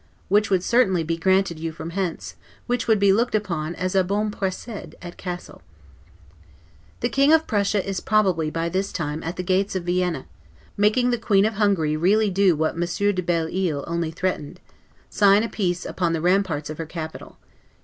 which would certainly be granted you from hence, and which would be looked upon as a 'bon procede' at Cassel. The King of Prussia is probably, by this time, at the gates of Vienna, making the Queen of Hungary really do what Monsieur de Bellisle only threatened; sign a peace upon the ramparts of her capital.